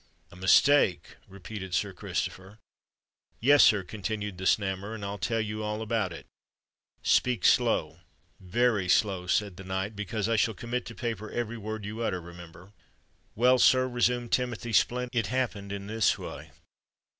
"A mistake!" repeated Sir Christopher. "Yes, sir," continued the Snammer; "and I'll tell you all about it." "Speak slow—very slow," said the knight; "because I shall commit to paper every word you utter, remember." "Well, sir," resumed Timothy Splint; "it happened in this way.